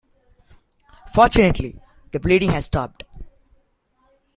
Fortunately, the bleeding has stopped.